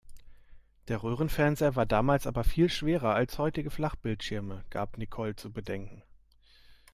"Der Röhrenfernseher war damals aber viel schwerer als heutige Flachbildschirme", gab Nicole zu bedenken.